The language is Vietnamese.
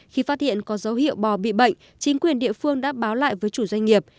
khi phát hiện có dấu hiệu bò bị bệnh chính quyền địa phương đã báo lại với chủ doanh nghiệp